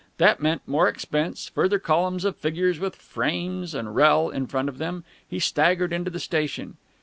That meant more expense, further columns of figures with "frames" and "rehl." in front of them! He staggered into the station.